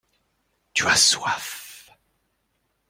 Tu as soif.